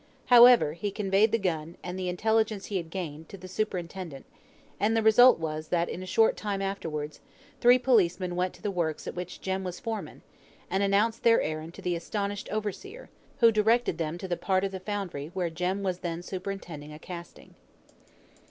However, he conveyed the gun, and the intelligence he had gained, to the superintendent; and the result was, that, in a short time afterwards, three policemen went to the works at which Jem was foreman, and announced their errand to the astonished overseer, who directed them to the part of the foundry where Jem was then superintending a casting.